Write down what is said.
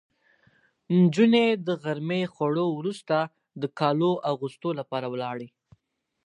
نجونې د غرمې خوړو وروسته د کالو اغوستو لپاره ولاړې.